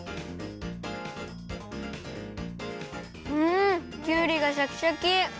んきゅうりがシャキシャキ！